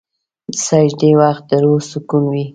د سجدې وخت د روح سکون وي.